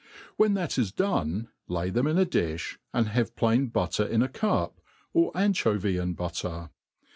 When that is done, lay them in a dilli, and have plain butter in a cup, or anchovy and butter.